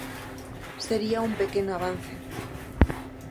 Sería un pequeno avance.